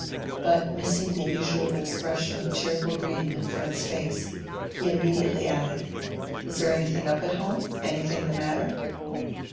But missing the usual expression of cheerful greeting in Fred's face, he immediately added, "Is there anything up at home?—anything the matter?"